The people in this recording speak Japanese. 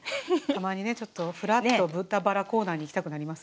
たまにねちょっとふらっと豚バラコーナーに行きたくなりますけどね。